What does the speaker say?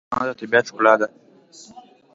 تنوع د طبیعت ښکلا ده.